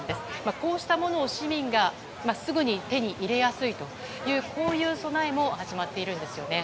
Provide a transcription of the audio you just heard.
こうしたものを市民がすぐに手に入れやすいというこういう備えも始まっているんですよね。